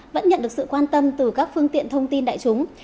vẫn nhận được sự quan tâm từ các phương tiện thông tin đặc biệt